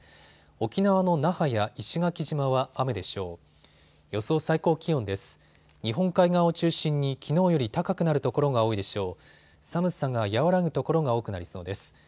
沖縄の那覇や石垣島は雨でしょう。